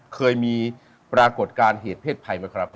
เคยมีปรากฏการณ์เหตุเพศภัยไหมครับ